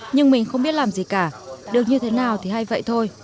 nhưng mình không biết làm gì cả được như thế nào thì hay vậy thôi